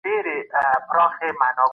هغه څوک چي ذمي ووژني قصاص کیږي.